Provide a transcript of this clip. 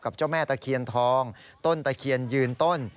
เจ้าแม่ตะเคียนทองต้นตะเคียนยืนต้น